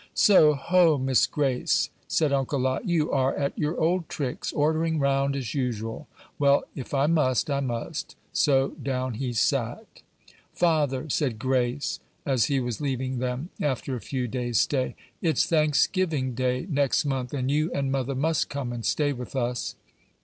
"So, ho! Miss Grace," said Uncle Lot, "you are at your old tricks, ordering round as usual. Well, if I must, I must;" so down he sat. "Father," said Grace, as he was leaving them, after a few days' stay, "it's Thanksgiving day next month, and you and mother must come and stay with us."